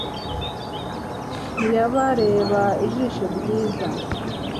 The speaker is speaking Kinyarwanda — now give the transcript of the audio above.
ntiyabareba ijisho ryiza